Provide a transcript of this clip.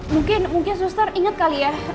mungkin suster inget kali ya